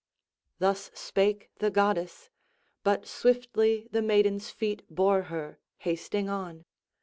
Thus spake the goddess; but swiftly the maiden's feet bore her, hasting on.